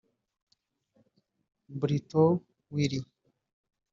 Brito Wily